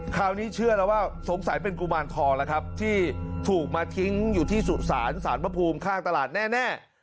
คราวนี้เชื่อแล้วว่าสงสัยเป็นกุมารทองแล้วครับที่ถูกมาทิ้งอยู่ที่สุสานสารพระภูมิข้างตลาดแน่